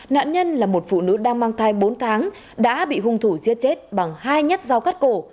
nạn nhân là một phụ nữ đang mang thai bốn tháng đã bị hung thủ giết chết bằng hai nhát giao cắt cổ